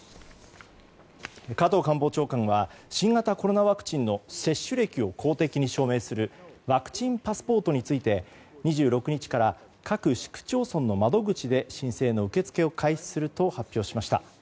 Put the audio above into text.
加藤官房長官は新型コロナワクチンの接種歴を公的に証明するワクチンパスポートについて２６日から各市区町村の窓口で申請の受け付けを開始すると発表しました。